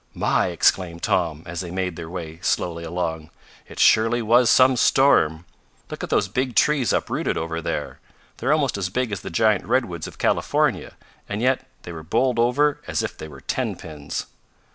"My!" exclaimed Tom, as they made their way slowly along, "it surely was some storm! Look at those big trees uprooted over there. They're almost as big as the giant redwoods of California, and yet they were bowled over as if they were tenpins."